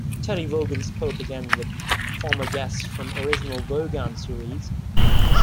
Terry Wogan spoke again with former guests from original 'Wogan' series.